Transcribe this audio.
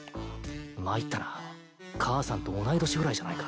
参ったな母さんと同い年ぐらいじゃないか